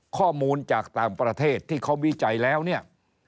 ข้อมูลจากต่างประเทศที่เขาวิจัยแล้วเนี่ย